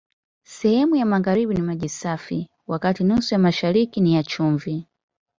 Sehemu ya magharibi ni maji safi, wakati nusu ya mashariki ni ya chumvi.